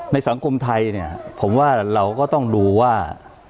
สังคมไทยเนี่ยผมว่าเราก็ต้องดูว่า